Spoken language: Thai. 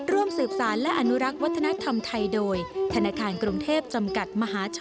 ร่วมสืบสารและอนุรักษ์วัฒนธรรมไทยโดยธนาคารกรุงเทพจำกัดมหาชน